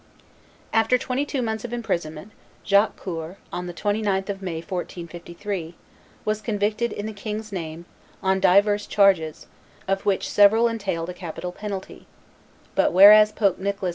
After twenty two months of imprisonment, Jacques Coeur, on the 29th of May, 1453, was convicted, in the king's name, on divers charges, of which several entailed a capital penalty; but "whereas Pope Nicholas V.